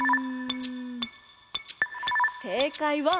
せいかいは。